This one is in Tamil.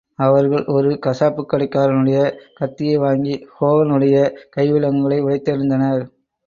அவர்கள் ஒரு கசாப்புக்கடைக்காரனுடைய கத்தியை வாங்கி ஹோகனுடைய கைவிலங்குகளை உடைந்தெறிந்னர்.